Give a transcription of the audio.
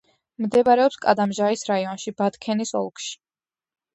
მდებარეობს კადამჟაის რაიონში, ბათქენის ოლქში.